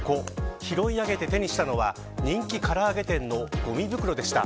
拾い上げて手にしたのは人気からあげ店のごみ袋でした。